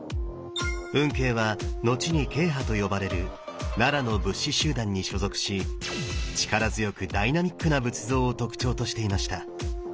運慶は後に慶派と呼ばれる奈良の仏師集団に所属し力強くダイミナックな仏像を特徴としていました。